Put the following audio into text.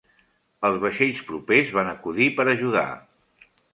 Els vaixells propers van acudir per ajudar.